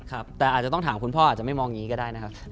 ครับแต่อาจจะต้องถามคุณพ่ออาจจะไม่มองอย่างนี้ก็ได้นะครับ